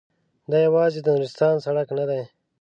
دا یوازې د نورستان سړک نه دی.